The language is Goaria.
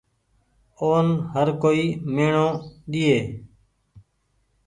اون هر ڪوئي ميڻو ۮيئي۔